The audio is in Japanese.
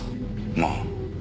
まあ。